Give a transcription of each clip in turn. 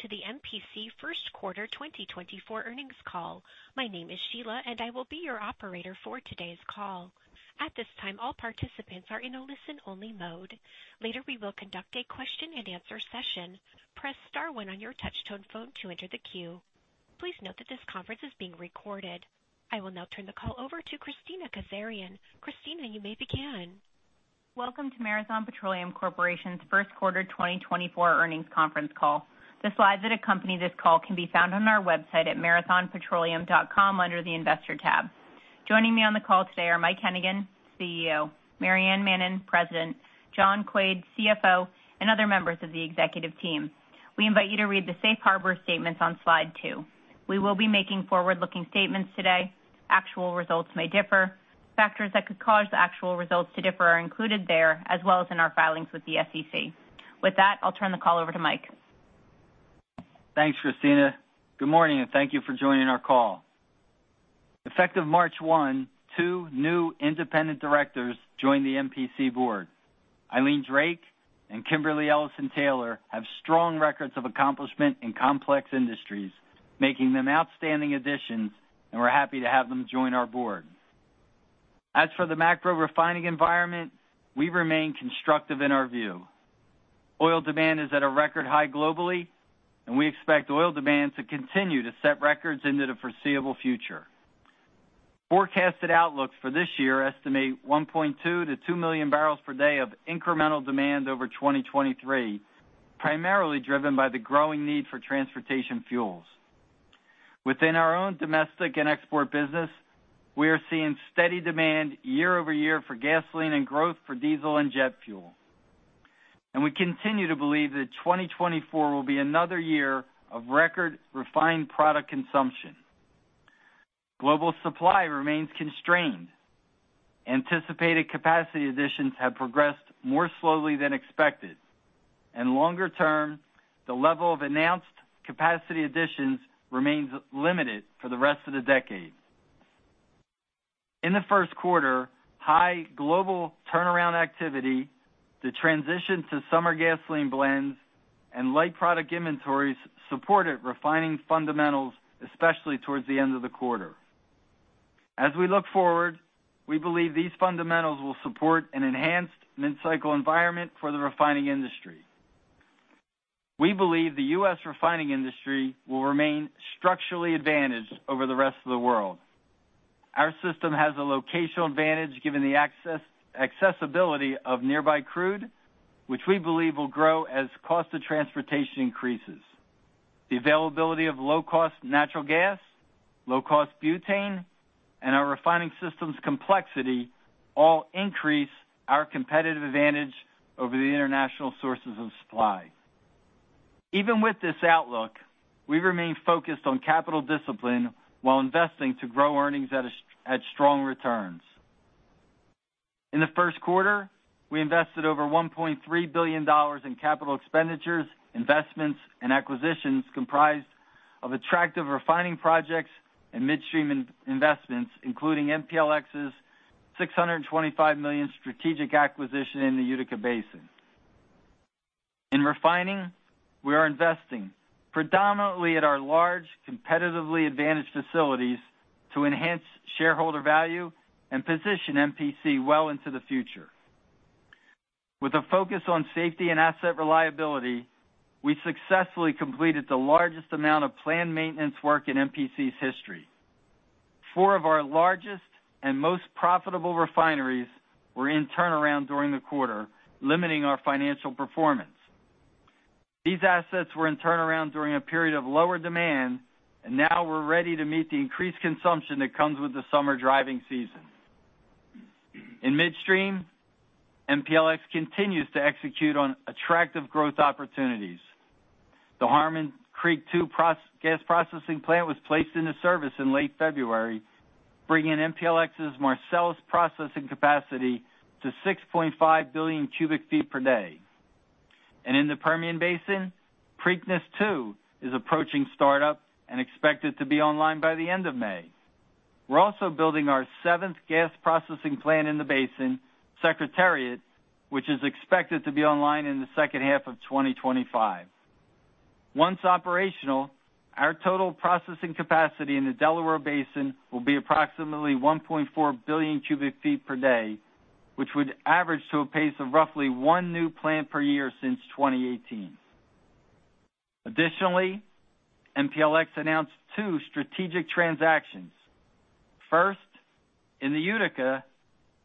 Welcome to the MPC Q1 2024 earnings call. My name is Sheila, and I will be your operator for today's call. At this time, all participants are in a listen-only mode. Later, we will conduct a question-and-answer session. Press star one on your touch tone phone to enter the queue. Please note that this conference is being recorded. I will now turn the call over to Kristina Kazarian. Kristina, you may begin. Welcome to Marathon Petroleum Corporation's Q1 2024 earnings conference call. The slides that accompany this call can be found on our website at marathonpetroleum.com under the Investor tab. Joining me on the call today are Mike Hennigan, CEO; Maryann Mannen, President; John Quaid, CFO; and other members of the executive team. We invite you to read the Safe Harbor statements on slide 2. We will be making forward-looking statements today. Actual results may differ. Factors that could cause the actual results to differ are included there, as well as in our filings with the SEC. With that, I'll turn the call over to Mike. Thanks, Kristina. Good morning, and thank you for joining our call. Effective March 1, two new independent directors join the MPC board. Eileen Drake and Kimberly Ellison-Taylor have strong records of accomplishment in complex industries, making them outstanding additions, and we're happy to have them join our board. As for the macro refining environment, we remain constructive in our view. Oil demand is at a record high globally, and we expect oil demand to continue to set records into the foreseeable future. Forecasted outlooks for this year estimate 1.2-2 million barrels per day of incremental demand over 2023, primarily driven by the growing need for transportation fuels. Within our own domestic and export business, we are seeing steady demand year-over-year for gasoline and growth for diesel and jet fuel. We continue to believe that 2024 will be another year of record refined product consumption. Global supply remains constrained. Anticipated capacity additions have progressed more slowly than expected, and longer term, the level of announced capacity additions remains limited for the rest of the decade. In the Q1, high global turnaround activity, the transition to summer gasoline blends, and light product inventories supported refining fundamentals, especially towards the end of the quarter. As we look forward, we believe these fundamentals will support an enhanced mid-cycle environment for the refining industry. We believe the U.S. refining industry will remain structurally advantaged over the rest of the world. Our system has a locational advantage given the accessibility of nearby crude, which we believe will grow as cost of transportation increases. The availability of low-cost natural gas, low-cost butane, and our refining system's complexity all increase our competitive advantage over the international sources of supply. Even with this outlook, we remain focused on capital discipline while investing to grow earnings at strong returns. In the Q1, we invested over $1.3 billion in capital expenditures, investments, and acquisitions comprised of attractive refining projects and midstream investments, including MPLX's $625 million strategic acquisition in the Utica Basin. In refining, we are investing predominantly at our large, competitively advantaged facilities to enhance shareholder value and position MPC well into the future. With a focus on safety and asset reliability, we successfully completed the largest amount of planned maintenance work in MPC's history. Four of our largest and most profitable refineries were in turnaround during the quarter, limiting our financial performance. These assets were in turnaround during a period of lower demand, and now we're ready to meet the increased consumption that comes with the summer driving season. In midstream, MPLX continues to execute on attractive growth opportunities. The Harmon Creek II gas processing plant was placed into service in late February, bringing MPLX's Marcellus processing capacity to 6.5 billion cubic feet per day. In the Permian Basin, Preakness II is approaching startup and expected to be online by the end of May. We're also building our seventh gas processing plant in the basin, Secretariat, which is expected to be online in the second half of 2025. Once operational, our total processing capacity in the Delaware Basin will be approximately 1.4 billion cubic feet per day, which would average to a pace of roughly one new plant per year since 2018. Additionally, MPLX announced two strategic transactions. First, in the Utica,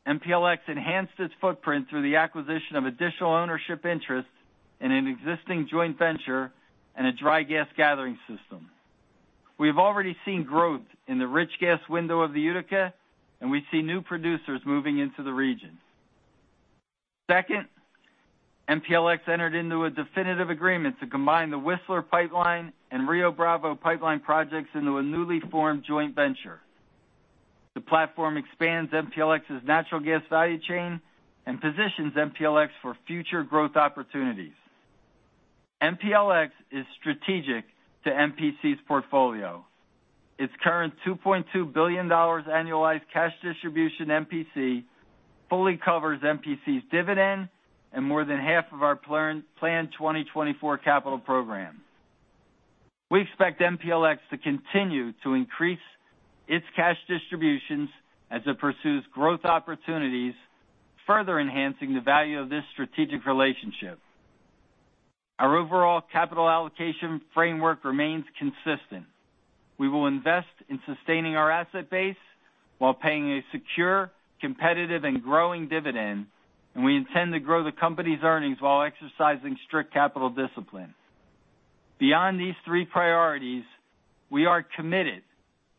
MPLX enhanced its footprint through the acquisition of additional ownership interest in an existing joint venture and a dry gas gathering system. We have already seen growth in the rich gas window of the Utica, and we see new producers moving into the region. Second, MPLX entered into a definitive agreement to combine the Whistler Pipeline and Rio Bravo Pipeline projects into a newly formed joint venture. The platform expands MPLX's natural gas value chain and positions MPLX for future growth opportunities. MPLX is strategic to MPC's portfolio. Its current $2.2 billion annualized cash distribution MPC fully covers MPC's dividend and more than half of our planned 2024 capital program. We expect MPLX to continue to increase its cash distributions as it pursues growth opportunities, further enhancing the value of this strategic relationship. Our overall capital allocation framework remains consistent. We will invest in sustaining our asset base while paying a secure, competitive, and growing dividend, and we intend to grow the company's earnings while exercising strict capital discipline. Beyond these three priorities, we are committed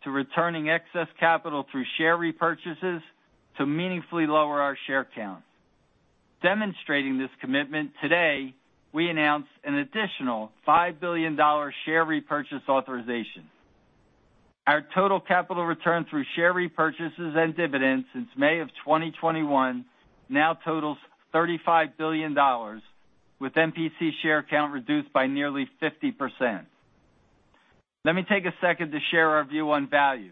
to returning excess capital through share repurchases to meaningfully lower our share count. Demonstrating this commitment, today we announced an additional $5 billion share repurchase authorization. Our total capital return through share repurchases and dividends since May of 2021 now totals $35 billion, with MPC share count reduced by nearly 50%. Let me take a second to share our view on value.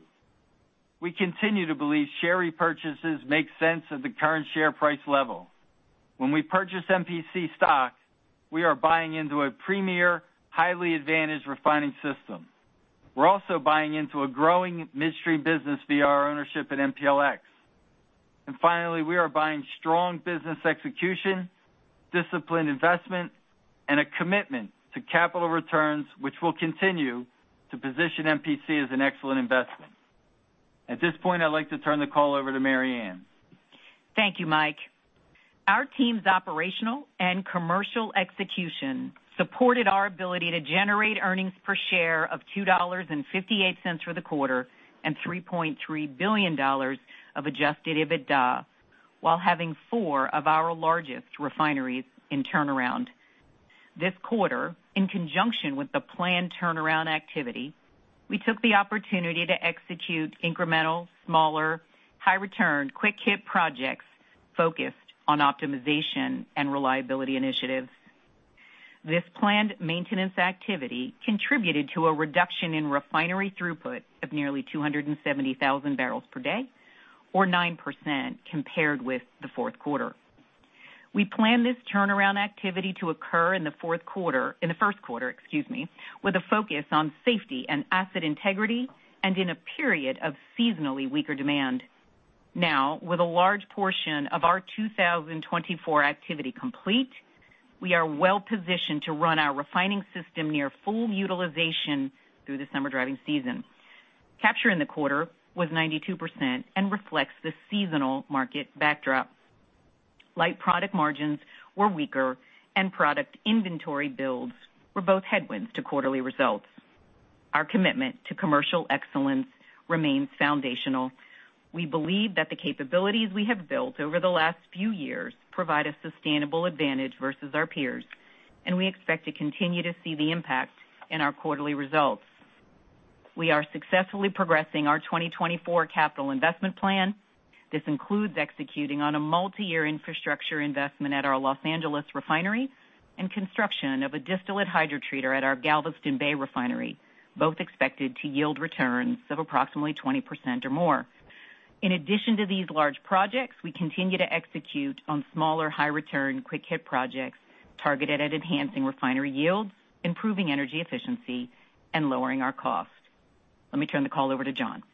We continue to believe share repurchases make sense at the current share price level. When we purchase MPC stock, we are buying into a premier, highly advantaged refining system. We're also buying into a growing midstream business via our ownership in MPLX. And finally, we are buying strong business execution, disciplined investment, and a commitment to capital returns, which will continue to position MPC as an excellent investment. At this point, I'd like to turn the call over to Maryann. Thank you, Mike. Our team's operational and commercial execution supported our ability to generate earnings per share of $2.58 for the quarter and $3.3 billion of Adjusted EBITDA while having four of our largest refineries in turnaround. This quarter, in conjunction with the planned turnaround activity, we took the opportunity to execute incremental, smaller, high-return, quick-hit projects focused on optimization and reliability initiatives. This planned maintenance activity contributed to a reduction in refinery throughput of nearly 270,000 barrels per day, or 9% compared with the Q4. We planned this turnaround activity to occur in the Q4 in the Q1, excuse me, with a focus on safety and asset integrity and in a period of seasonally weaker demand. Now, with a large portion of our 2024 activity complete, we are well-positioned to run our refining system near full utilization through the summer driving season. Capture in the quarter was 92% and reflects the seasonal market backdrop. Light product margins were weaker, and product inventory builds were both headwinds to quarterly results. Our commitment to commercial excellence remains foundational. We believe that the capabilities we have built over the last few years provide a sustainable advantage versus our peers, and we expect to continue to see the impact in our quarterly results. We are successfully progressing our 2024 capital investment plan. This includes executing on a multi-year infrastructure investment at our Los Angeles refinery and construction of a distillate hydrotreater at our Galveston Bay refinery, both expected to yield returns of approximately 20% or more. In addition to these large projects, we continue to execute on smaller, high-return quick-hit projects targeted at enhancing refinery yields, improving energy efficiency, and lowering our cost. Let me turn the call over to John.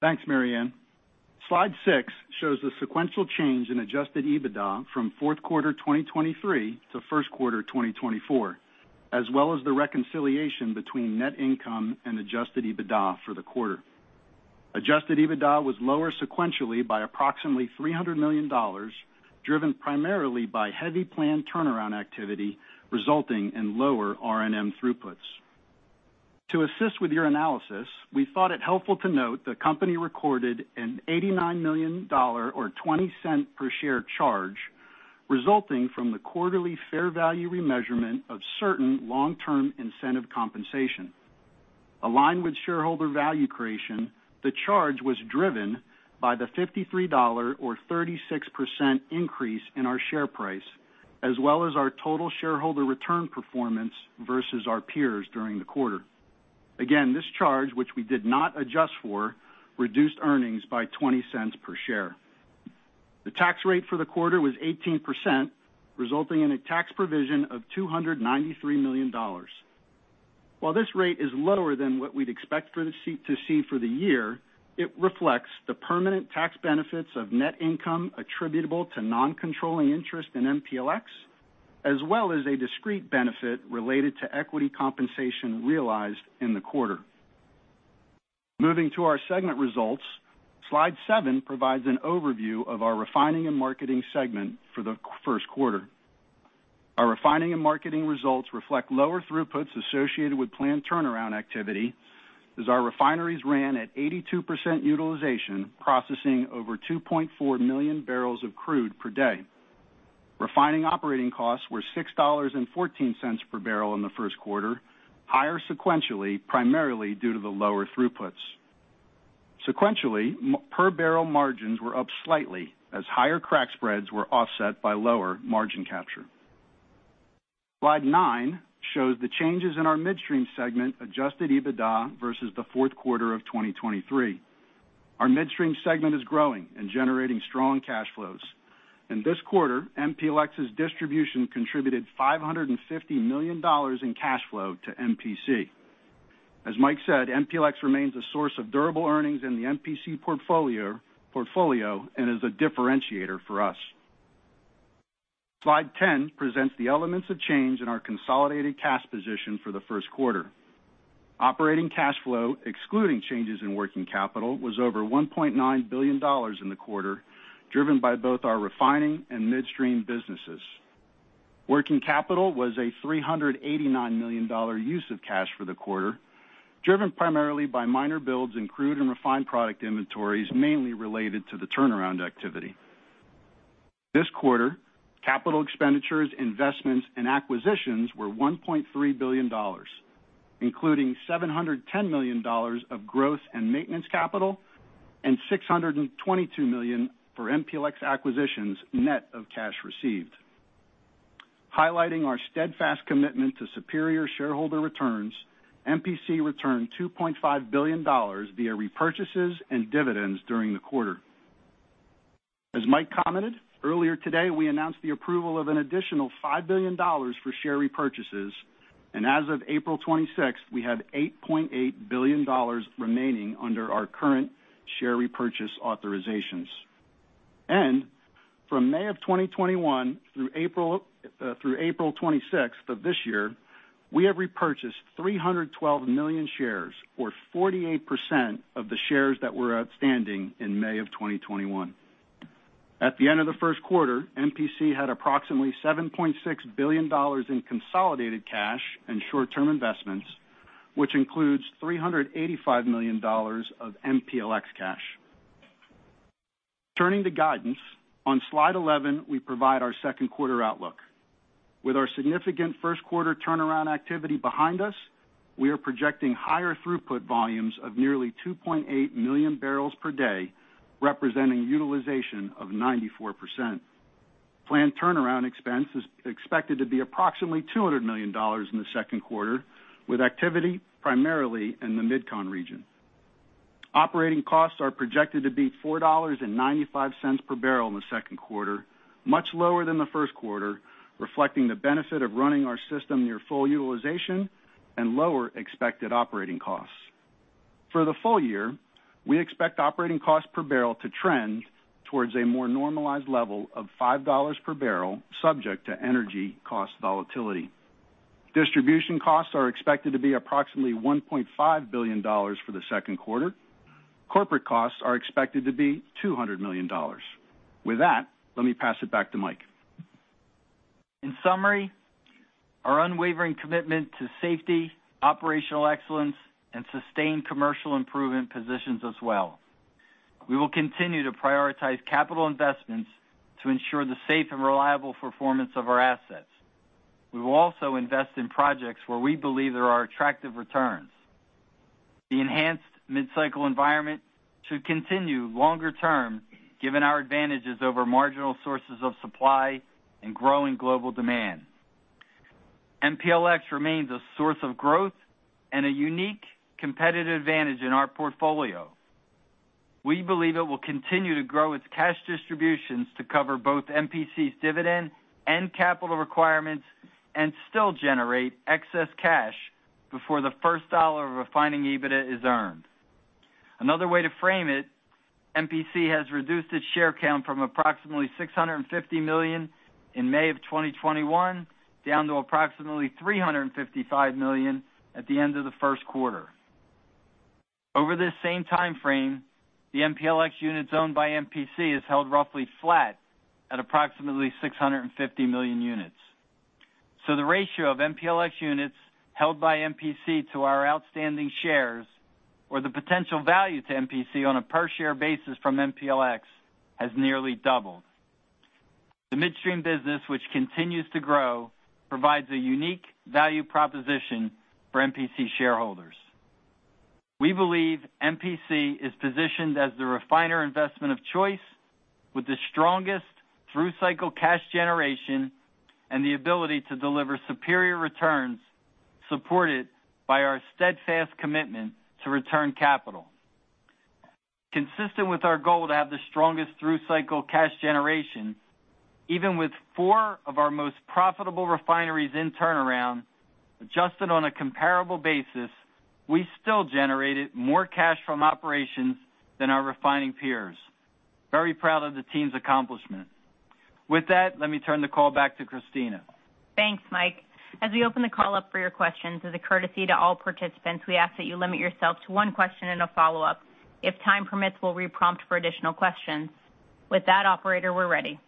Thanks, Maryann. Slide 6 shows the sequential change in Adjusted EBITDA from Q4 2023 to Q1 2024, as well as the reconciliation between net income and Adjusted EBITDA for the quarter. Adjusted EBITDA was lower sequentially by approximately $300 million, driven primarily by heavy planned turnaround activity resulting in lower R&M throughputs. To assist with your analysis, we thought it helpful to note the company recorded an $89 million or $.20 per share charge resulting from the quarterly fair value remeasurement of certain long-term incentive compensation. Aligned with shareholder value creation, the charge was driven by the $53 or 36% increase in our share price, as well as our total shareholder return performance versus our peers during the quarter. Again, this charge, which we did not adjust for, reduced earnings by 20 cents per share. The tax rate for the quarter was 18%, resulting in a tax provision of $293 million. While this rate is lower than what we'd expect for the statutory rate for the year, it reflects the permanent tax benefits of net income attributable to non-controlling interest in MPLX, as well as a discrete benefit related to equity compensation realized in the quarter. Moving to our segment results, slide 7 provides an overview of our refining and marketing segment for the Q1. Our refining and marketing results reflect lower throughputs associated with planned turnaround activity as our refineries ran at 82% utilization, processing over 2.4 million barrels of crude per day. Refining operating costs were $6.14 per barrel in the Q1, higher sequentially, primarily due to the lower throughputs. Sequentially, per-barrel margins were up slightly as higher crack spreads were offset by lower margin capture. Slide 9 shows the changes in our midstream segment, adjusted EBITDA versus the Q4 of 2023. Our midstream segment is growing and generating strong cash flows. In this quarter, MPLX's distribution contributed $550 million in cash flow to MPC. As Mike said, MPLX remains a source of durable earnings in the MPC portfolio and is a differentiator for us. Slide 10 presents the elements of change in our consolidated cash position for the Q1. Operating cash flow, excluding changes in working capital, was over $1.9 billion in the quarter, driven by both our refining and midstream businesses. Working capital was a $389 million use of cash for the quarter, driven primarily by minor builds in crude and refined product inventories, mainly related to the turnaround activity. This quarter, capital expenditures, investments, and acquisitions were $1.3 billion, including $710 million of growth and maintenance capital and $622 million for MPLX acquisitions net of cash received. Highlighting our steadfast commitment to superior shareholder returns, MPC returned $2.5 billion via repurchases and dividends during the quarter. As Mike commented, earlier today we announced the approval of an additional $5 billion for share repurchases, and as of April 26th, we have $8.8 billion remaining under our current share repurchase authorizations. From May of 2021 through April 26th of this year, we have repurchased 312 million shares, or 48% of the shares that were outstanding in May of 2021. At the end of the Q1, MPC had approximately $7.6 billion in consolidated cash and short-term investments, which includes $385 million of MPLX cash. Turning to guidance, on slide 11, we provide our Q2 outlook. With our significant Q1 turnaround activity behind us, we are projecting higher throughput volumes of nearly 2.8 million barrels per day, representing utilization of 94%. Planned turnaround expense is expected to be approximately $200 million in the Q2, with activity primarily in the MidCon region. Operating costs are projected to be $4.95 per barrel in the Q2, much lower than the Q1, reflecting the benefit of running our system near full utilization and lower expected operating costs. For the full year, we expect operating costs per barrel to trend towards a more normalized level of $5 per barrel, subject to energy cost volatility. Distribution costs are expected to be approximately $1.5 billion for the Q2. Corporate costs are expected to be $200 million. With that, let me pass it back to Mike. In summary, our unwavering commitment to safety, operational excellence, and sustained commercial improvement positions us well. We will continue to prioritize capital investments to ensure the safe and reliable performance of our assets. We will also invest in projects where we believe there are attractive returns. The enhanced midcycle environment should continue longer-term, given our advantages over marginal sources of supply and growing global demand. MPLX remains a source of growth and a unique competitive advantage in our portfolio. We believe it will continue to grow its cash distributions to cover both MPC's dividend and capital requirements and still generate excess cash before the first dollar of refining EBITDA is earned. Another way to frame it, MPC has reduced its share count from approximately $650 million in May of 2021 down to approximately $355 million at the end of the Q1. Over this same time frame, the MPLX units owned by MPC is held roughly flat at approximately 650 million units. So the ratio of MPLX units held by MPC to our outstanding shares, or the potential value to MPC on a per-share basis from MPLX, has nearly doubled. The midstream business, which continues to grow, provides a unique value proposition for MPC shareholders. We believe MPC is positioned as the refiner investment of choice, with the strongest through-cycle cash generation and the ability to deliver superior returns, supported by our steadfast commitment to return capital. Consistent with our goal to have the strongest through-cycle cash generation, even with 4 of our most profitable refineries in turnaround adjusted on a comparable basis, we still generated more cash from operations than our refining peers. Very proud of the team's accomplishment. With that, let me turn the call back to Kristina. Thanks, Mike. As we open the call up for your questions, as a courtesy to all participants, we ask that you limit yourself to one question and a follow-up. If time permits, we'll re-prompt for additional questions. With that, operator, we're ready.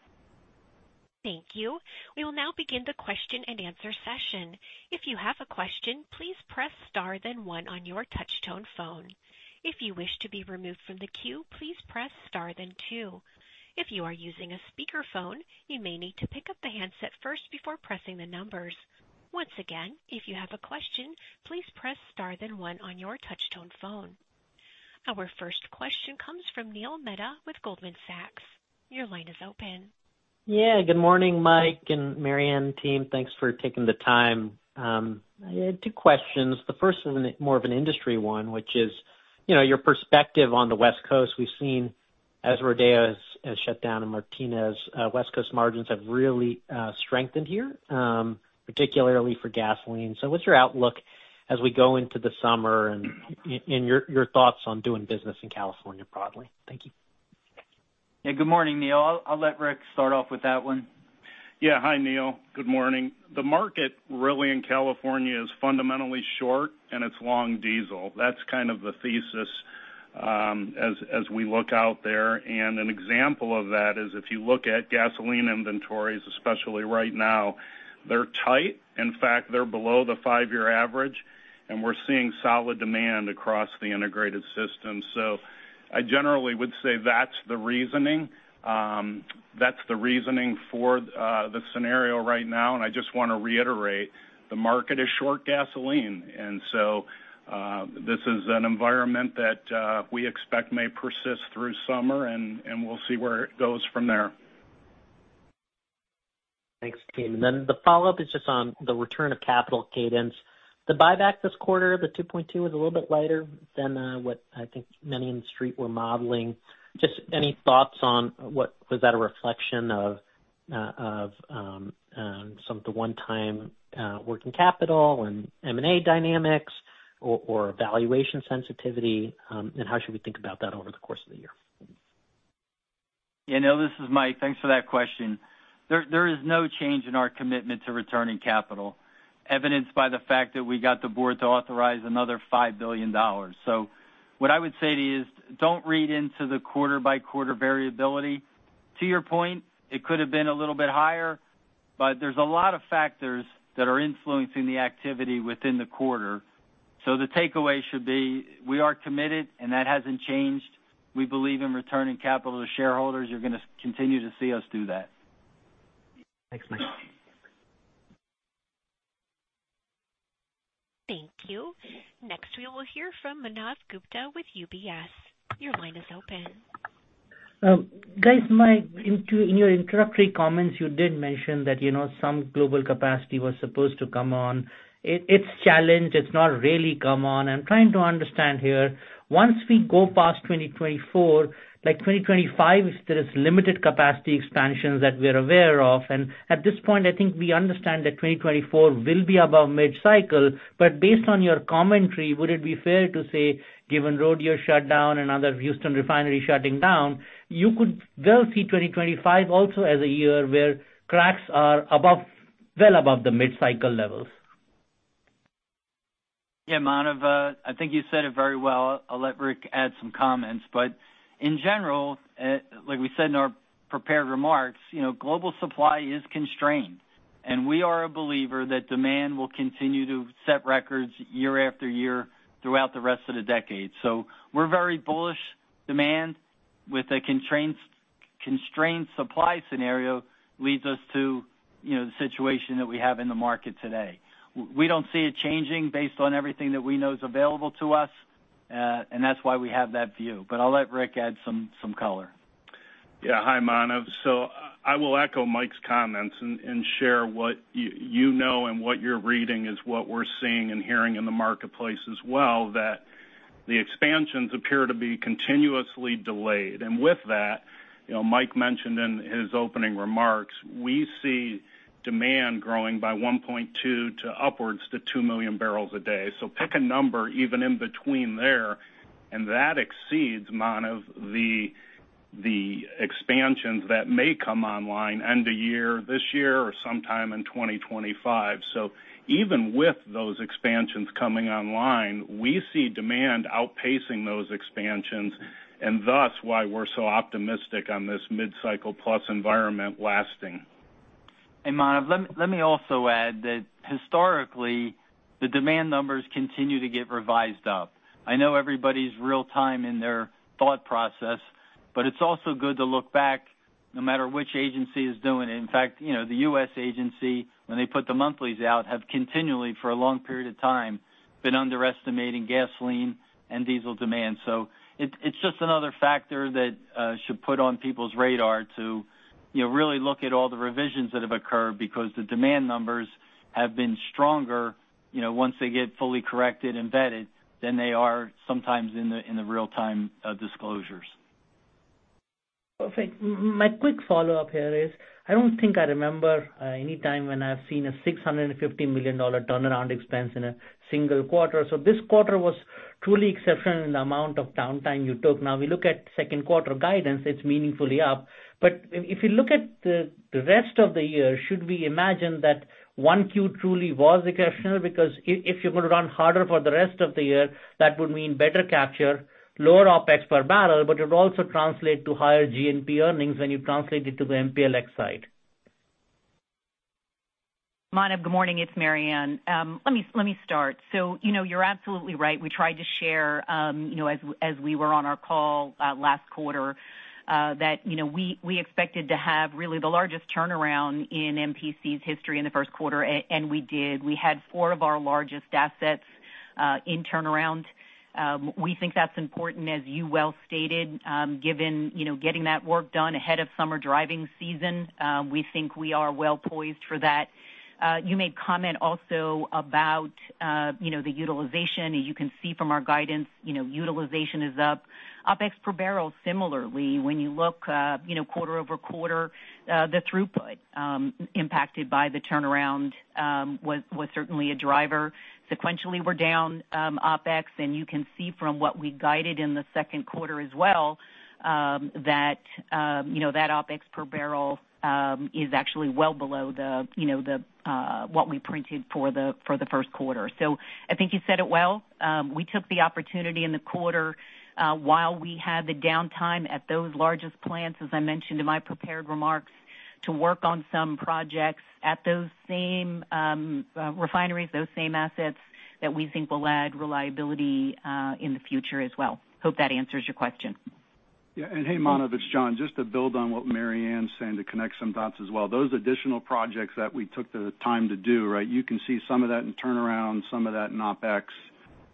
Thank you. We will now begin the question-and-answer session. If you have a question, please press star, then one on your touch-tone phone. If you wish to be removed from the queue, please press star, then two. If you are using a speakerphone, you may need to pick up the handset first before pressing the numbers. Once again, if you have a question, please press star, then one on your touch-tone phone. Our first question comes from Neil Mehta with Goldman Sachs. Your line is open. Yeah. Good morning, Mike and Maryann team. Thanks for taking the time. I had two questions. The first is more of an industry one, which is your perspective on the West Coast. We've seen, as Rodeo has shut down and Martinez, West Coast margins have really strengthened here, particularly for gasoline. So what's your outlook as we go into the summer and your thoughts on doing business in California broadly? Thank you. Yeah. Good morning, Neil. I'll let Rick start off with that one. Yeah. Hi, Neil. Good morning. The market really in California is fundamentally short, and it's long diesel. That's kind of the thesis as we look out there. An example of that is if you look at gasoline inventories, especially right now, they're tight. In fact, they're below the five-year average, and we're seeing solid demand across the integrated system. I generally would say that's the reasoning. That's the reasoning for the scenario right now. I just want to reiterate, the market is short gasoline. This is an environment that we expect may persist through summer, and we'll see where it goes from there. Thanks, team. The follow-up is just on the return of capital cadence. The buyback this quarter, the $2.2, was a little bit lighter than what I think many in the street were modeling. Just any thoughts on was that a reflection of some of the one-time working capital and M&A dynamics or valuation sensitivity, and how should we think about that over the course of the year? Yeah. No, this is Mike. Thanks for that question. There is no change in our commitment to returning capital, evidenced by the fact that we got the board to authorize another $5 billion. So what I would say to you is don't read into the quarter-by-quarter variability. To your point, it could have been a little bit higher, but there's a lot of factors that are influencing the activity within the quarter. So the takeaway should be, we are committed, and that hasn't changed. We believe in returning capital to shareholders. You're going to continue to see us do that. Thanks, Mike. Thank you. Next, we will hear from Manav Gupta with UBS. Your line is open. Guys, Mike, in your introductory comments, you did mention that some global capacity was supposed to come on. It's challenged. It's not really come on. I'm trying to understand here, once we go past 2024, like 2025, if there is limited capacity expansions that we're aware of. And at this point, I think we understand that 2024 will be above midcycle. But based on your commentary, would it be fair to say, given Rodeo shutdown and other Houston refineries shutting down, you could well see 2025 also as a year where cracks are above, well above the midcycle levels? Yeah. Manav, I think you said it very well. I'll let Rick add some comments. But in general, like we said in our prepared remarks, global supply is constrained, and we are a believer that demand will continue to set records year after year throughout the rest of the decade. So we're very bullish. Demand with a constrained supply scenario leads us to the situation that we have in the market today. We don't see it changing based on everything that we know is available to us, and that's why we have that view. But I'll let Rick add some color. Yeah. Hi, Manav. So I will echo Mike's comments and share what you know and what you're reading is what we're seeing and hearing in the marketplace as well, that the expansions appear to be continuously delayed. And with that, Mike mentioned in his opening remarks, we see demand growing by 1.2-2 million barrels a day. So pick a number even in between there, and that exceeds, Manav, the expansions that may come online end of year this year or sometime in 2025. So even with those expansions coming online, we see demand outpacing those expansions, and thus why we're so optimistic on this midcycle-plus environment lasting. Manav, let me also add that historically, the demand numbers continue to get revised up. I know everybody's real-time in their thought process, but it's also good to look back no matter which agency is doing it. In fact, the US agency, when they put the monthlies out, have continually, for a long period of time, been underestimating gasoline and diesel demand. So it's just another factor that should put on people's radar to really look at all the revisions that have occurred because the demand numbers have been stronger once they get fully corrected and vetted than they are sometimes in the real-time disclosures. Perfect. My quick follow-up here is, I don't think I remember any time when I've seen a $650 million turnaround expense in a single quarter. This quarter was truly exceptional in the amount of downtime you took. Now, we look at Q2 guidance, it's meaningfully up. But if you look at the rest of the year, should we imagine that one Q truly was exceptional? Because if you're going to run harder for the rest of the year, that would mean better capture, lower OPEX per barrel, but it would also translate to higher G&P earnings when you translate it to the MPLX side. Manav, good morning. It's Maryann. Let me start. You're absolutely right. We tried to share as we were on our call last quarter that we expected to have really the largest turnaround in MPC's history in the Q1, and we did. We had four of our largest assets in turnaround. We think that's important, as you well stated, given getting that work done ahead of summer driving season. We think we are well poised for that. You made comment also about the utilization. You can see from our guidance, utilization is up. OPEX per barrel, similarly, when you look quarter-over-quarter, the throughput impacted by the turnaround was certainly a driver. Sequentially, we're down OPEX, and you can see from what we guided in the Q2 as well that that OPEX per barrel is actually well below what we printed for the Q1. So I think you said it well. We took the opportunity in the quarter while we had the downtime at those largest plants, as I mentioned in my prepared remarks, to work on some projects at those same refineries, those same assets that we think will add reliability in the future as well. Hope that answers your question. Yeah. And hey, Manav, it's John. Just to build on what Maryann's saying to connect some dots as well, those additional projects that we took the time to do, right? You can see some of that in turnaround, some of that in OPEX.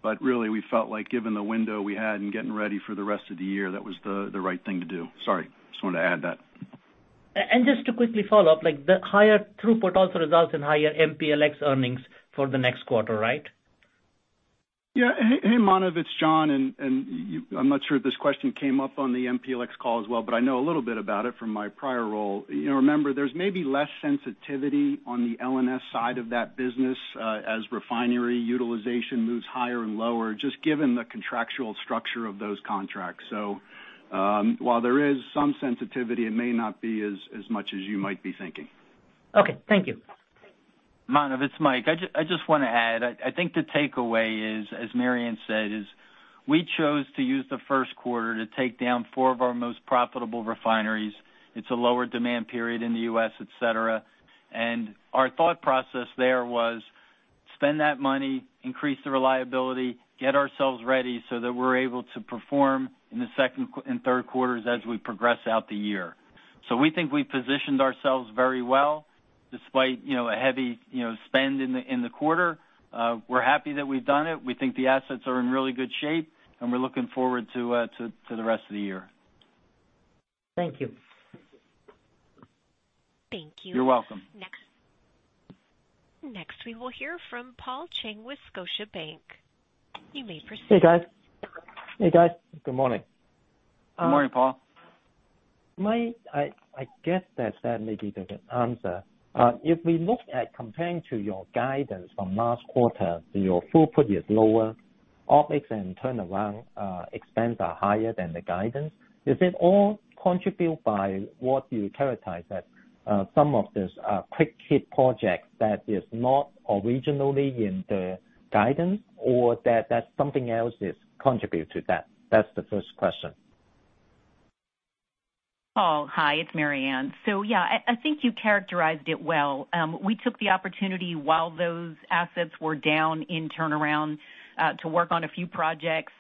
But really, we felt like given the window we had and getting ready for the rest of the year, that was the right thing to do. Sorry. Just wanted to add that. Just to quickly follow up, the higher throughput also results in higher MPLX earnings for the next quarter, right? Yeah. Hey, Manav, it's John. I'm not sure if this question came up on the MPLX call as well, but I know a little bit about it from my prior role. Remember, there's maybe less sensitivity on the L&S side of that business as refinery utilization moves higher and lower, just given the contractual structure of those contracts. So while there is some sensitivity, it may not be as much as you might be thinking. Okay. Thank you. Manav, it's Mike. I just want to add. I think the takeaway is, as Maryann said, is we chose to use the Q1 to take down four of our most profitable refineries. It's a lower demand period in the U.S., etc. And our thought process there was spend that money, increase the reliability, get ourselves ready so that we're able to perform in the second and Q3s as we progress out the year. So we think we've positioned ourselves very well despite a heavy spend in the quarter. We're happy that we've done it. We think the assets are in really good shape, and we're looking forward to the rest of the year. Thank you. Thank you. You're welcome. Next. Next, we will hear from Paul Cheng with Scotiabank. You may proceed. Hey, guys. Hey, guys. Good morning. Good morning, Paul. Mike, I guess that may be the answer. If we look at comparing to your guidance from last quarter, your throughput is lower, OPEX and turnaround expense are higher than the guidance, is it all contribute by what you characterize as some of these quick hit projects that is not originally in the guidance, or that something else contributes to that? That's the first question. Paul, hi. It's Maryann. So yeah, I think you characterized it well. We took the opportunity while those assets were down in turnaround to work on a few projects,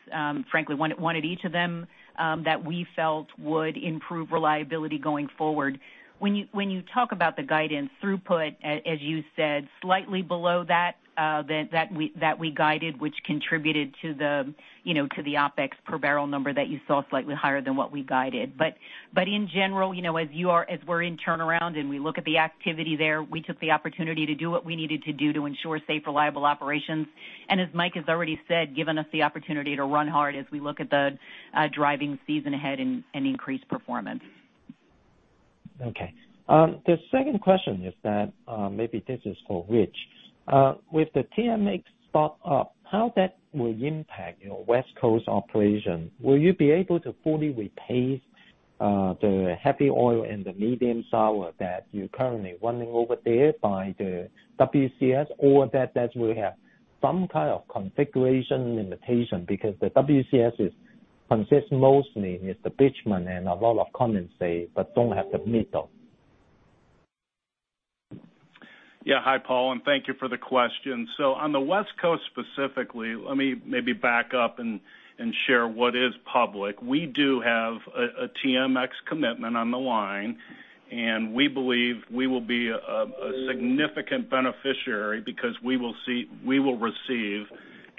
frankly, one at each of them that we felt would improve reliability going forward. When you talk about the guidance, throughput, as you said, slightly below that that we guided, which contributed to the OPEX per barrel number that you saw slightly higher than what we guided. But in general, as we're in turnaround and we look at the activity there, we took the opportunity to do what we needed to do to ensure safe, reliable operations. And as Mike has already said, given us the opportunity to run hard as we look at the driving season ahead and increase performance. Okay. The second question is that maybe this is for Rich. With the TMX spot up, how that will impact your West Coast operation, will you be able to fully replace the heavy oil and the medium sour that you're currently running over there by the WCS, or that will have some kind of configuration limitation because the WCS consists mostly it's the Bridgeman and a lot of condensate, but don't have the middle? Yeah. Hi, Paul. And thank you for the question. So on the West Coast specifically, let me maybe back up and share what is public. We do have a TMX commitment on the line, and we believe we will be a significant beneficiary because we will receive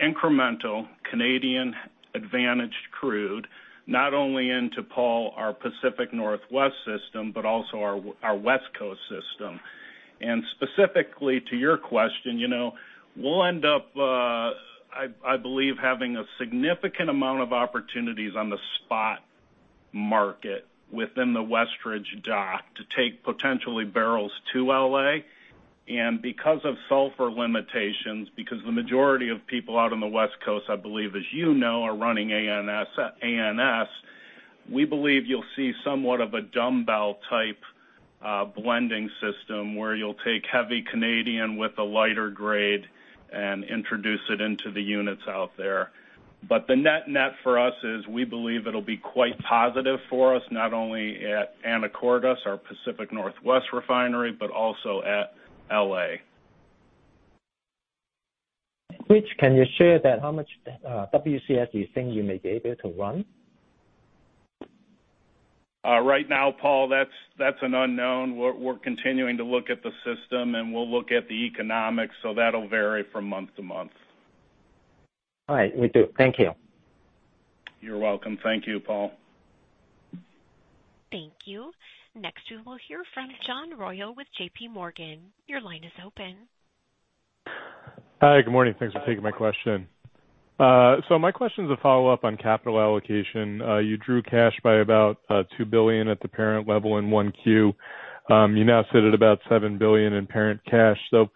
incremental Canadian advantaged crude, not only into, Paul, our Pacific Northwest system, but also our West Coast system. And specifically to your question, we'll end up, I believe, having a significant amount of opportunities on the spot market within the Westridge dock to take potentially barrels to L.A. And because of sulfur limitations, because the majority of people out on the West Coast, I believe, as you know, are running ANS, we believe you'll see somewhat of a dumbbell-type blending system where you'll take heavy Canadian with a lighter grade and introduce it into the units out there. The net-net for us is we believe it'll be quite positive for us not only at Anacortes, our Pacific Northwest refinery, but also at L.A. Rich, can you share that? How much WCS do you think you may be able to run? Right now, Paul, that's an unknown. We're continuing to look at the system, and we'll look at the economics, so that'll vary from month to month. All right. We do. Thank you. You're welcome. Thank you, Paul. Thank you. Next, we will hear from John Royall with JPMorgan. Your line is open. Hi. Good morning. Thanks for taking my question. So my question is a follow-up on capital allocation. You drew cash by about $2 billion at the parent level in 1Q. You now sit at about $7 billion in parent cash. So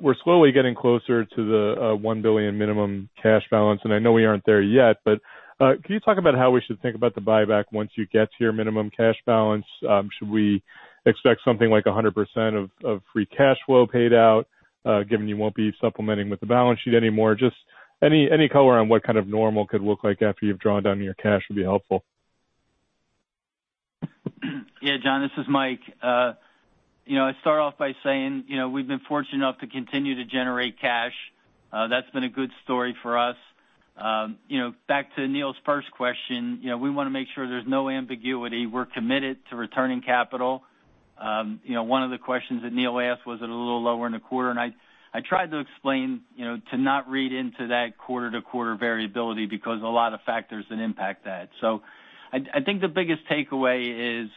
we're slowly getting closer to the $1 billion minimum cash balance, and I know we aren't there yet, but can you talk about how we should think about the buyback once you get to your minimum cash balance? Should we expect something like 100% of free cash flow paid out, given you won't be supplementing with the balance sheet anymore? Just any color on what kind of normal could look like after you've drawn down your cash would be helpful. Yeah, John. This is Mike. I start off by saying we've been fortunate enough to continue to generate cash. That's been a good story for us. Back to Neil's first question, we want to make sure there's no ambiguity. We're committed to returning capital. One of the questions that Neil asked, was it a little lower in the quarter? And I tried to explain to not read into that quarter-to-quarter variability because a lot of factors that impact that. So I think the biggest takeaway is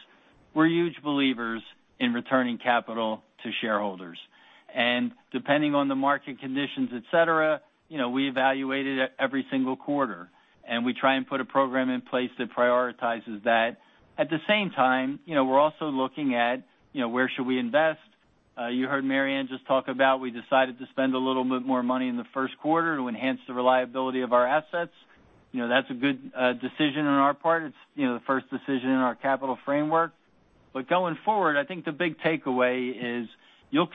we're huge believers in returning capital to shareholders. And depending on the market conditions, etc., we evaluate it every single quarter, and we try and put a program in place that prioritizes that. At the same time, we're also looking at where should we invest? You heard Maryann just talk about we decided to spend a little bit more money in the Q1 to enhance the reliability of our assets. That's a good decision on our part. It's the first decision in our capital framework. But going forward, I think the big takeaway is you'll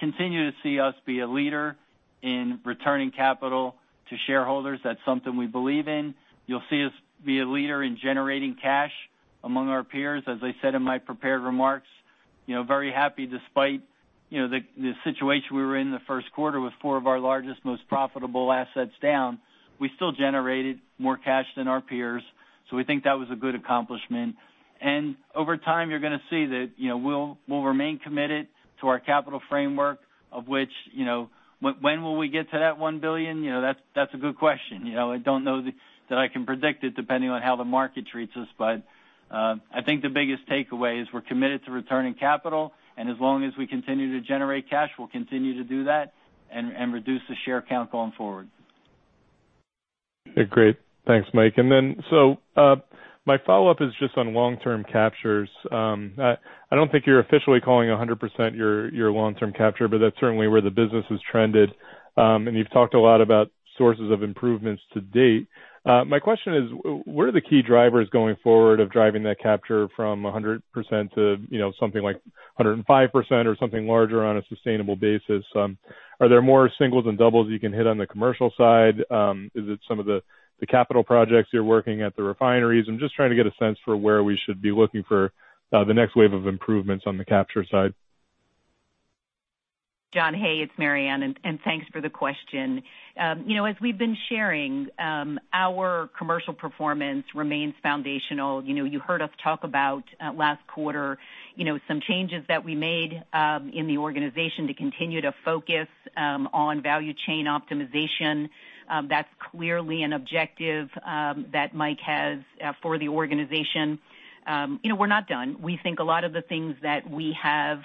continue to see us be a leader in returning capital to shareholders. That's something we believe in. You'll see us be a leader in generating cash among our peers. As I said in my prepared remarks, very happy despite the situation we were in the Q1 with four of our largest, most profitable assets down, we still generated more cash than our peers. So we think that was a good accomplishment. And over time, you're going to see that we'll remain committed to our capital framework of which when will we get to that $1 billion? That's a good question. I don't know that I can predict it depending on how the market treats us. But I think the biggest takeaway is we're committed to returning capital, and as long as we continue to generate cash, we'll continue to do that and reduce the share count going forward. Yeah. Great. Thanks, Mike. And then so my follow-up is just on long-term captures. I don't think you're officially calling 100% your long-term capture, but that's certainly where the business has trended. And you've talked a lot about sources of improvements to date. My question is, what are the key drivers going forward of driving that capture from 100% to something like 105% or something larger on a sustainable basis? Are there more singles and doubles you can hit on the commercial side? Is it some of the capital projects you're working at the refineries? I'm just trying to get a sense for where we should be looking for the next wave of improvements on the capture side. John, hey, it's Maryann, and thanks for the question. As we've been sharing, our commercial performance remains foundational. You heard us talk about last quarter some changes that we made in the organization to continue to focus on value chain optimization. That's clearly an objective that Mike has for the organization. We're not done. We think a lot of the things that we have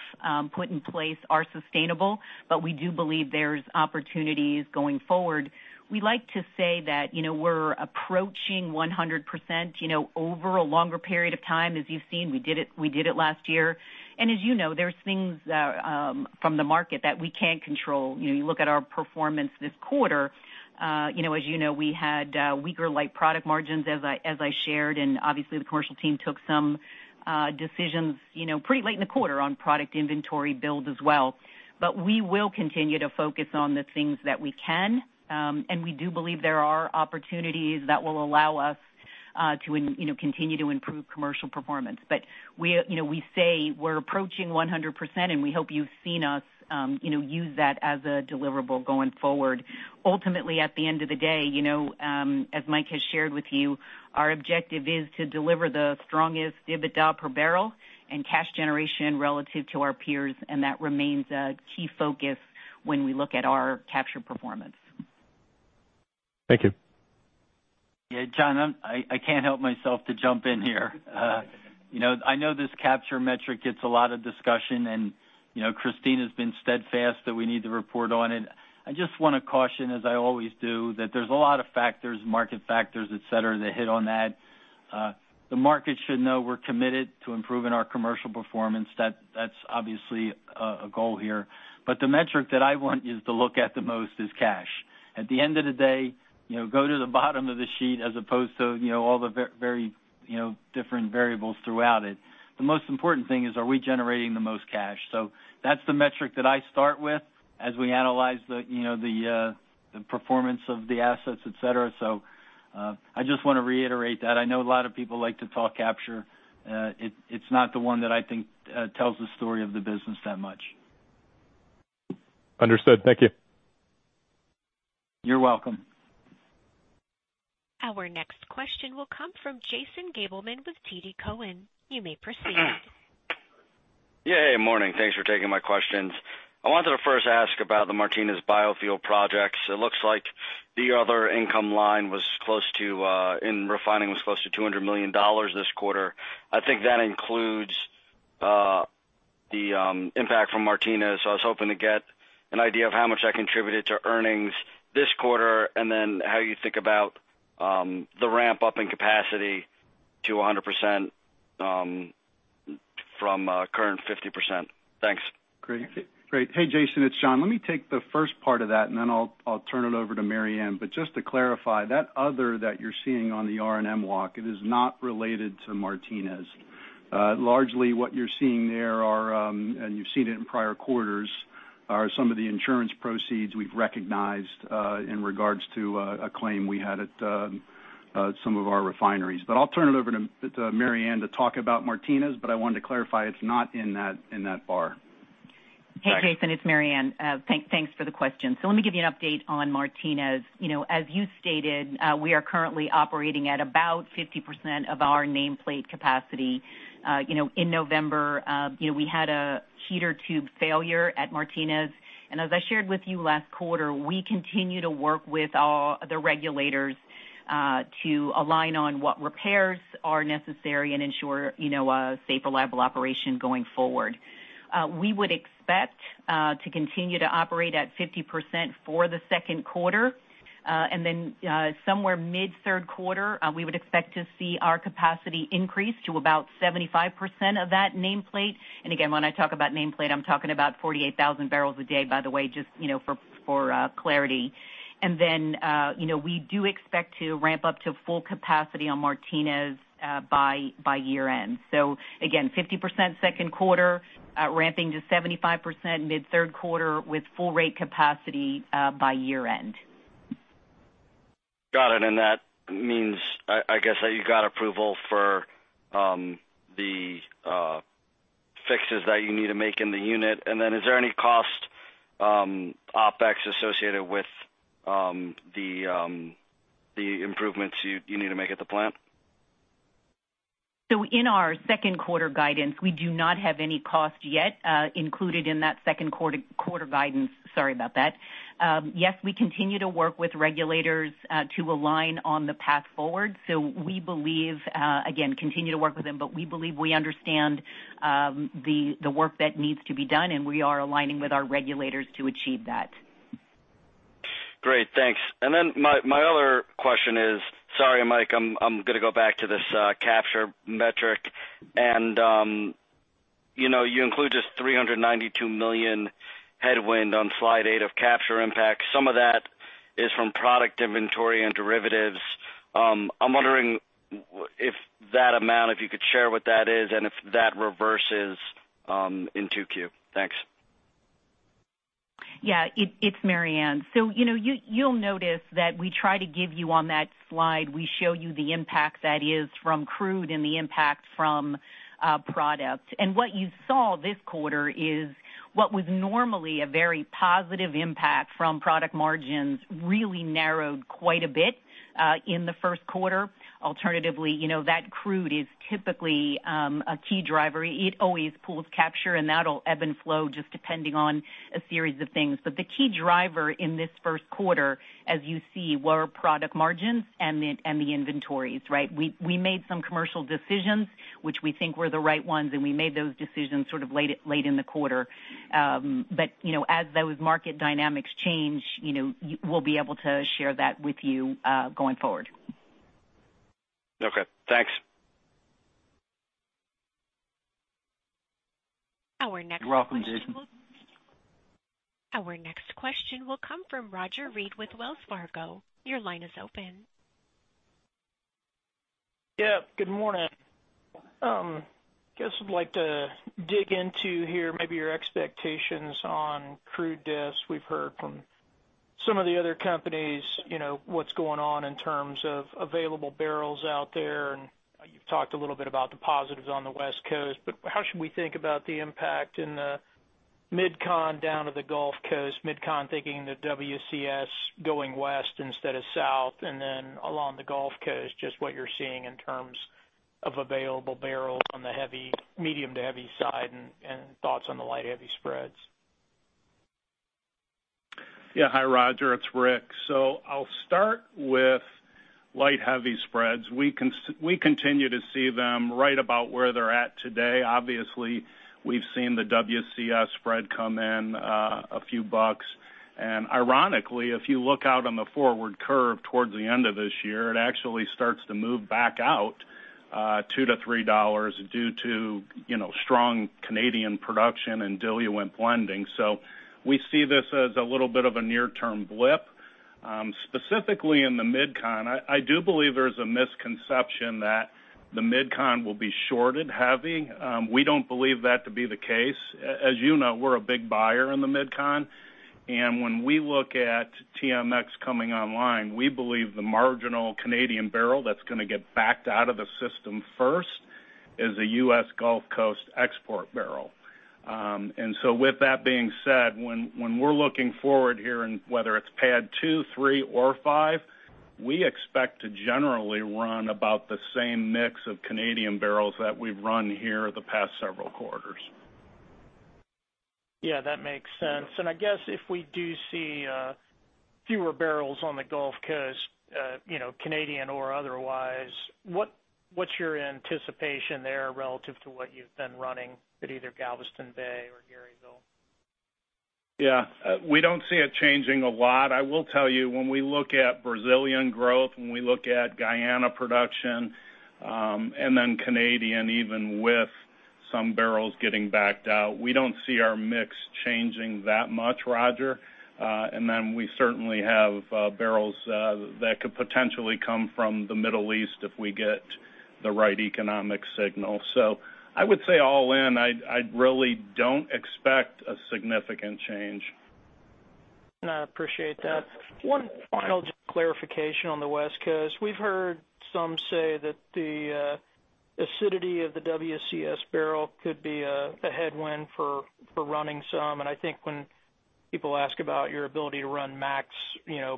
put in place are sustainable, but we do believe there's opportunities going forward. We like to say that we're approaching 100% over a longer period of time. As you've seen, we did it last year. And as you know, there's things from the market that we can't control. You look at our performance this quarter. As you know, we had weaker light product margins, as I shared, and obviously, the commercial team took some decisions pretty late in the quarter on product inventory build as well. We will continue to focus on the things that we can, and we do believe there are opportunities that will allow us to continue to improve commercial performance. We say we're approaching 100%, and we hope you've seen us use that as a deliverable going forward. Ultimately, at the end of the day, as Mike has shared with you, our objective is to deliver the strongest dividend per barrel and cash generation relative to our peers, and that remains a key focus when we look at our capture performance. Thank you. Yeah, John, I can't help myself to jump in here. I know this capture metric gets a lot of discussion, and Kristina's been steadfast that we need to report on it. I just want to caution, as I always do, that there's a lot of factors, market factors, etc., that hit on that. The market should know we're committed to improving our commercial performance. That's obviously a goal here. But the metric that I want you to look at the most is cash. At the end of the day, go to the bottom of the sheet as opposed to all the very different variables throughout it. The most important thing is, are we generating the most cash? So that's the metric that I start with as we analyze the performance of the assets, etc. So I just want to reiterate that. I know a lot of people like to talk capture. It's not the one that I think tells the story of the business that much. Understood. Thank you. You're welcome. Our next question will come from Jason Gabelman with TD Cowen. You may proceed. Yeah. Hey, good morning. Thanks for taking my questions. I wanted to first ask about the Martinez biofuel projects. It looks like the other income line was close to in refining was close to $200 million this quarter. I think that includes the impact from Martinez. So I was hoping to get an idea of how much I contributed to earnings this quarter and then how you think about the ramp-up in capacity to 100% from current 50%. Thanks. Great. Great. Hey, Jason, it's John. Let me take the first part of that, and then I'll turn it over to Maryann. But just to clarify, that other that you're seeing on the R&M walk, it is not related to Martinez. Largely, what you're seeing there, and you've seen it in prior quarters, are some of the insurance proceeds we've recognized in regards to a claim we had at some of our refineries. But I'll turn it over to Maryann to talk about Martinez, but I wanted to clarify it's not in that bar. Hey, Jason. It's Maryann. Thanks for the question. So let me give you an update on Martinez. As you stated, we are currently operating at about 50% of our nameplate capacity. In November, we had a heater tube failure at Martinez. As I shared with you last quarter, we continue to work with the regulators to align on what repairs are necessary and ensure a safe, reliable operation going forward. We would expect to continue to operate at 50% for the Q2. Then somewhere mid-Q3, we would expect to see our capacity increase to about 75% of that nameplate. Again, when I talk about nameplate, I'm talking about 48,000 barrels a day, by the way, just for clarity. Then we do expect to ramp up to full capacity on Martinez by year-end. So again, 50% Q2, ramping to 75% mid-Q3 with full-rate capacity by year-end. Got it. And that means, I guess, that you got approval for the fixes that you need to make in the unit. And then is there any cost OPEX associated with the improvements you need to make at the plant? In our second-quarter guidance, we do not have any cost yet included in that second-quarter guidance. Sorry about that. Yes, we continue to work with regulators to align on the path forward. We believe, again, continue to work with them, but we believe we understand the work that needs to be done, and we are aligning with our regulators to achieve that. Great. Thanks. And then my other question is, sorry, Mike. I'm going to go back to this capture metric. And you include just $392 million headwind on slide 8 of capture impact. Some of that is from product inventory and derivatives. I'm wondering if that amount, if you could share what that is and if that reverses in 2Q. Thanks. Yeah. It's Maryann. So you'll notice that we try to give you on that slide, we show you the impact that is from crude and the impact from product. And what you saw this quarter is what was normally a very positive impact from product margins really narrowed quite a bit in the Q1. Alternatively, that crude is typically a key driver. It always pulls capture, and that'll ebb and flow just depending on a series of things. But the key driver in this Q1, as you see, were product margins and the inventories, right? We made some commercial decisions, which we think were the right ones, and we made those decisions sort of late in the quarter. But as those market dynamics change, we'll be able to share that with you going forward. Okay. Thanks. Our next question. You're welcome, Jason. Our next question will come from Roger Reed with Wells Fargo. Your line is open. Yeah. Good morning. I guess I'd like to dig into here maybe your expectations on crude desk. We've heard from some of the other companies what's going on in terms of available barrels out there. And you've talked a little bit about the positives on the West Coast, but how should we think about the impact in the MidCon down to the Gulf Coast, MidCon thinking the WCS going west instead of south, and then along the Gulf Coast, just what you're seeing in terms of available barrels on the medium to heavy side and thoughts on the light-heavy spreads? Yeah. Hi, Roger. It's Rick. So I'll start with light-heavy spreads. We continue to see them right about where they're at today. Obviously, we've seen the WCS spread come in a few bucks. And ironically, if you look out on the forward curve towards the end of this year, it actually starts to move back out $2-$3 due to strong Canadian production and diluent blending. So we see this as a little bit of a near-term blip. Specifically in the MidCon, I do believe there's a misconception that the MidCon will be shorted heavy. We don't believe that to be the case. As you know, we're a big buyer in the MidCon. And when we look at TMX coming online, we believe the marginal Canadian barrel that's going to get backed out of the system first is a U.S. Gulf Coast export barrel. With that being said, when we're looking forward here in whether it's pad 2, 3, or 5, we expect to generally run about the same mix of Canadian barrels that we've run here the past several quarters. Yeah. That makes sense. And I guess if we do see fewer barrels on the Gulf Coast, Canadian or otherwise, what's your anticipation there relative to what you've been running at either Galveston Bay or Garyville? Yeah. We don't see it changing a lot. I will tell you, when we look at Brazilian growth, when we look at Guyana production and then Canadian even with some barrels getting backed out, we don't see our mix changing that much, Roger. And then we certainly have barrels that could potentially come from the Middle East if we get the right economic signal. So I would say all in, I really don't expect a significant change. I appreciate that. One final just clarification on the West Coast. We've heard some say that the acidity of the WCS barrel could be a headwind for running some. I think when people ask about your ability to run max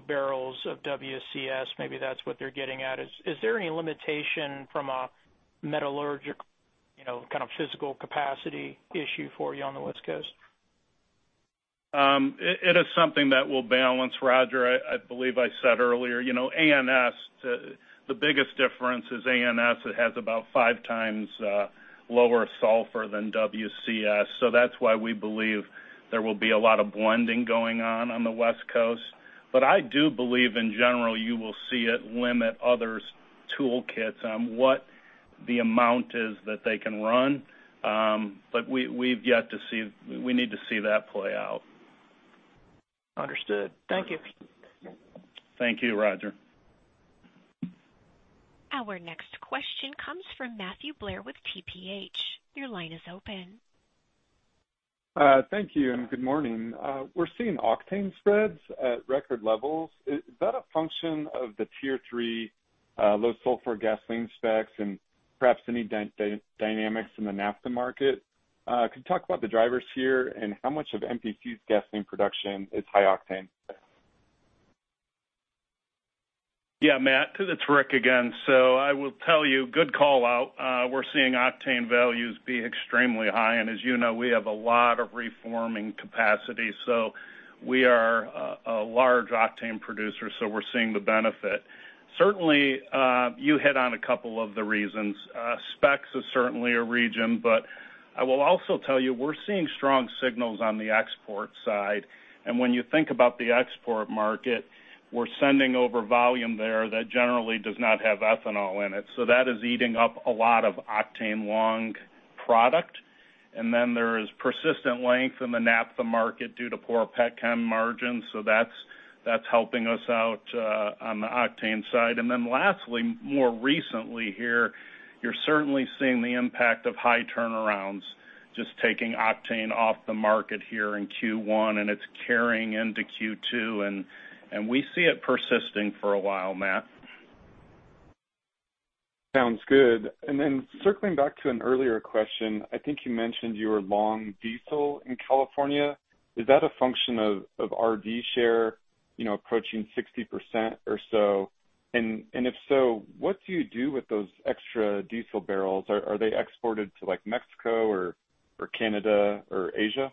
barrels of WCS, maybe that's what they're getting at. Is there any limitation from a metallurgical kind of physical capacity issue for you on the West Coast? It is something that will balance, Roger. I believe I said earlier, ANS. The biggest difference is ANS. It has about five times lower sulfur than WCS. So that's why we believe there will be a lot of blending going on on the West Coast. But I do believe, in general, you will see it limit others' toolkits on what the amount is that they can run. But we've yet to see we need to see that play out. Understood. Thank you. Thank you, Roger. Our next question comes from Matthew Blair with TPH. Your line is open. Thank you and good morning. We're seeing octane spreads at record levels. Is that a function of the Tier 3 low-sulfur gasoline specs and perhaps any dynamics in the naphtha market? Could you talk about the drivers here and how much of MPC's gasoline production is high octane? Yeah, Matt. It's Rick again. So I will tell you, good callout. We're seeing octane values be extremely high. As you know, we have a lot of reforming capacity. So we are a large octane producer, so we're seeing the benefit. Certainly, you hit on a couple of the reasons. Specs are certainly a reason. But I will also tell you, we're seeing strong signals on the export side. And when you think about the export market, we're sending over volume there that generally does not have ethanol in it. So that is eating up a lot of octane-long product. And then there is persistent length in the NAFTA market due to poor petchem margins. So that's helping us out on the octane side. Then lastly, more recently here, you're certainly seeing the impact of high turnarounds just taking octane off the market here in Q1, and it's carrying into Q2. We see it persisting for a while, Matt. Sounds good. And then circling back to an earlier question, I think you mentioned you were long diesel in California. Is that a function of RD share approaching 60% or so? And if so, what do you do with those extra diesel barrels? Are they exported to Mexico or Canada or Asia? Yeah.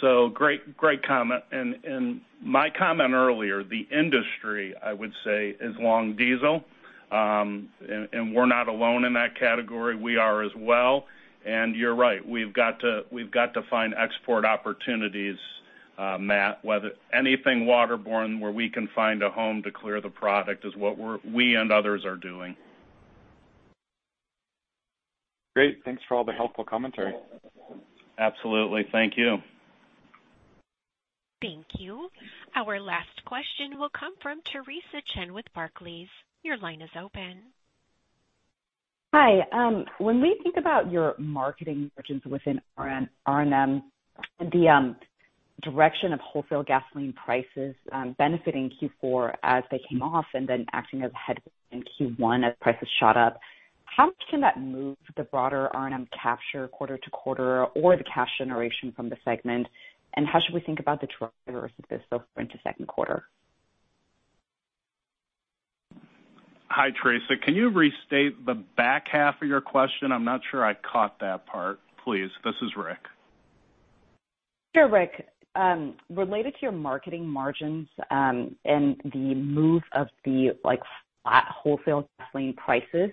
So great comment. And my comment earlier, the industry, I would say, is long diesel. And we're not alone in that category. We are as well. And you're right. We've got to find export opportunities, Matt, whether anything waterborne where we can find a home to clear the product is what we and others are doing. Great. Thanks for all the helpful commentary. Absolutely. Thank you. Thank you. Our last question will come from Theresa Chen with Barclays. Your line is open. Hi. When we think about your marketing margins within R&M and the direction of wholesale gasoline prices benefiting Q4 as they came off and then acting as a headwind in Q1 as prices shot up, how much can that move the broader R&M capture quarter to quarter or the cash generation from the segment? How should we think about the drivers of this so far into Q2? Hi, Theresa. Can you restate the back half of your question? I'm not sure I caught that part. Please. This is Rick. Sure, Rick. Related to your marketing margins and the move of the flat wholesale gasoline prices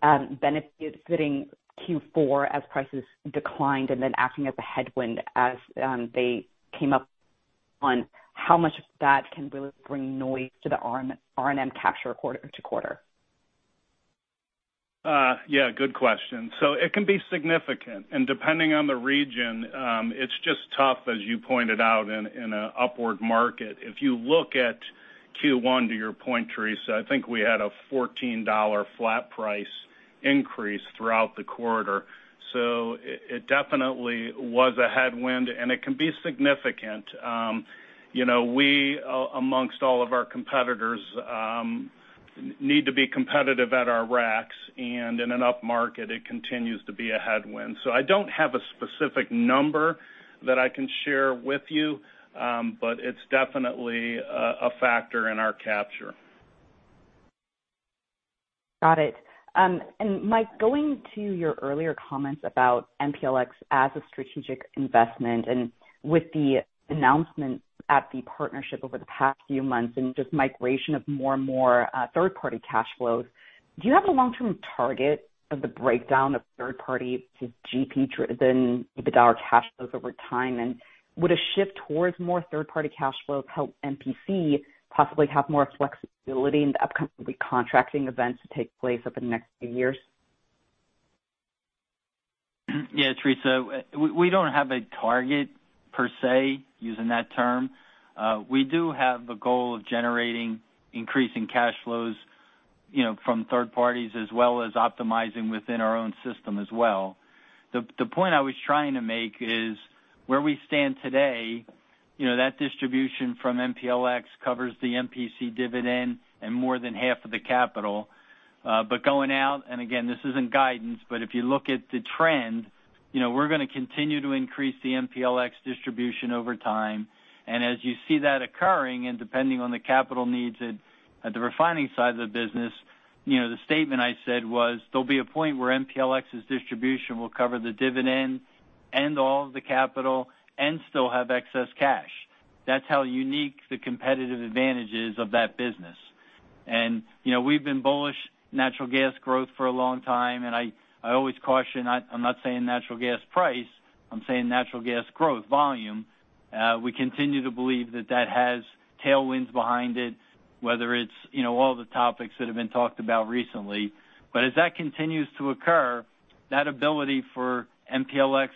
benefiting Q4 as prices declined and then acting as a headwind as they came up, on how much of that can really bring noise to the R&M capture quarter to quarter. Yeah. Good question. So it can be significant. And depending on the region, it's just tough, as you pointed out, in an upward market. If you look at Q1, to your point, Theresa, I think we had a $14 flat price increase throughout the quarter. So it definitely was a headwind, and it can be significant. We, amongst all of our competitors, need to be competitive at our racks. And in an upmarket, it continues to be a headwind. So I don't have a specific number that I can share with you, but it's definitely a factor in our capture. Got it. And Mike, going to your earlier comments about MPLX as a strategic investment and with the announcement at the partnership over the past few months and just migration of more and more third-party cash flows, do you have a long-term target of the breakdown of third-party to GP-driven EBITDA or cash flows over time? And would a shift towards more third-party cash flows help MPC possibly have more flexibility in the upcoming recontracting events to take place over the next few years? Yeah, Theresa. We don't have a target per se, using that term. We do have a goal of generating increasing cash flows from third parties as well as optimizing within our own system as well. The point I was trying to make is where we stand today, that distribution from MPLX covers the MPC dividend and more than half of the capital. But going out, and again, this isn't guidance, but if you look at the trend, we're going to continue to increase the MPLX distribution over time. And as you see that occurring and depending on the capital needs at the refining side of the business, the statement I said was there'll be a point where MPLX's distribution will cover the dividend and all of the capital and still have excess cash. That's how unique the competitive advantages of that business. And we've been bullish natural gas growth for a long time. And I always caution, I'm not saying natural gas price. I'm saying natural gas growth volume. We continue to believe that that has tailwinds behind it, whether it's all the topics that have been talked about recently. But as that continues to occur, that ability for MPLX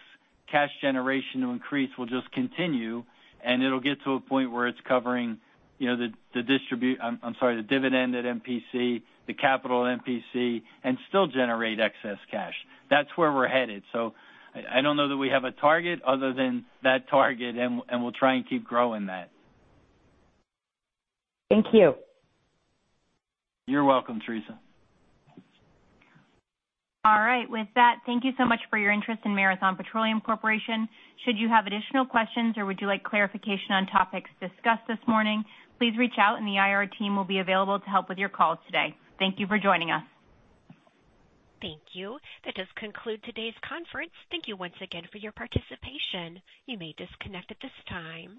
cash generation to increase will just continue. And it'll get to a point where it's covering the distribution I'm sorry, the dividend at MPC, the capital at MPC, and still generate excess cash. That's where we're headed. So I don't know that we have a target other than that target, and we'll try and keep growing that. Thank you. You're welcome, Theresa. All right. With that, thank you so much for your interest in Marathon Petroleum Corporation. Should you have additional questions or would you like clarification on topics discussed this morning, please reach out, and the IR team will be available to help with your call today. Thank you for joining us. Thank you. That does conclude today's conference. Thank you once again for your participation. You may disconnect at this time.